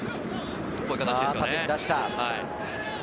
縦に出した。